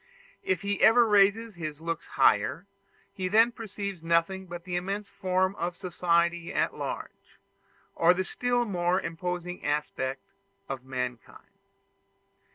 If he ever raises his looks higher, he then perceives nothing but the immense form of society at large, or the still more imposing aspect of mankind.